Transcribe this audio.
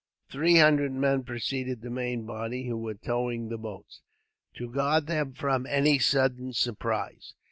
Three hundred men preceded the main body, who were towing the boats, to guard them from any sudden surprise.